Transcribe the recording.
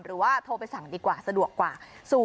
หรือว่าโทรไปสั่งดีกว่าสะดวกกว่า